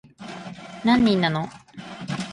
何人なの